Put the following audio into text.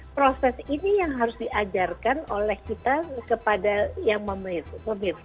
proses ini yang harus diajarkan oleh kita kepada yang memilih